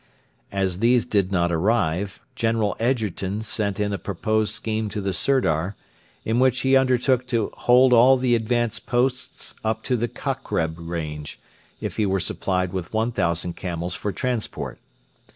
As these did not arrive, General Egerton sent in a proposed scheme to the Sirdar, in which he undertook to hold all the advanced posts up to the Kokreb range, if he were supplied with 1,000 camels for transport.